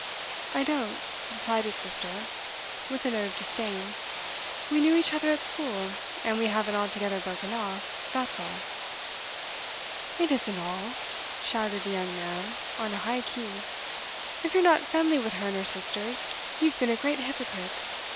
'I don't,' replied his sister, with a note of disdain. 'We knew each other at school, and we haven't altogether broken off, that's all.' 'It isn't all!' shouted the young man on a high key. 'If you're not friendly with her and her sisters, you've been a great hypocrite.